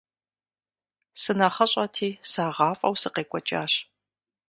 СынэхъыщӀэти сагъафӀэу сыкъекӀуэкӀащ.